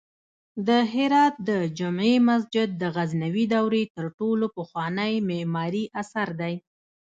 د هرات د جمعې مسجد د غزنوي دورې تر ټولو پخوانی معماری اثر دی